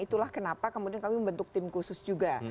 itulah kenapa kemudian kami membentuk tim khusus juga